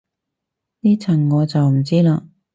呢層我就唔知嘞